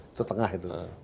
itu tengah itu